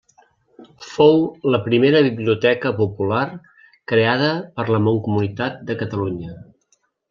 Fou la primera biblioteca popular creada per la Mancomunitat de Catalunya.